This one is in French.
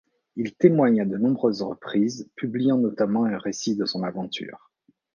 Il témoigne à de nombreuses reprises, publiant notamment un récit de son aventure.